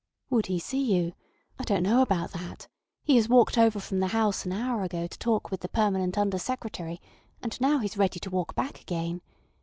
"Would he see you? I don't know about that. He has walked over from the House an hour ago to talk with the permanent Under Secretary, and now he's ready to walk back again.